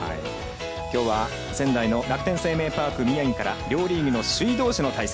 きょうは仙台の楽天生命パーク宮城から両リーグの首位どうしの対戦。